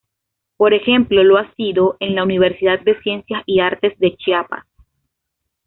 Por ejemplo lo ha sido en la "Universidad de Ciencias y Artes de Chiapas".